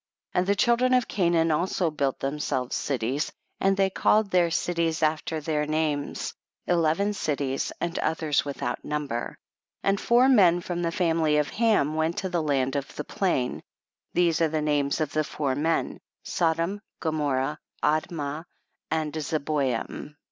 And the children of Canaan also built themselves cities, and they called their cities after their names, eleven cities and others without number. 25. And four men from the fami ly of Ham went to the land of the plain ; these are the names of the four men, Sodom, Gomorrah, Admah and Zeboyim.